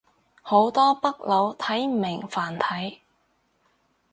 好多北佬睇唔明繁體